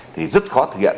thì rất khó thực hiện